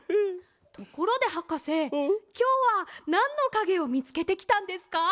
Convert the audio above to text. ところではかせきょうはなんのかげをみつけてきたんですか？